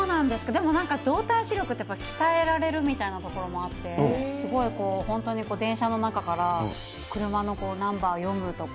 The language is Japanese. でも動体視力って、鍛えられるみたいなところもあって、すごいこう、本当に電車の中から車のナンバーを読むとか。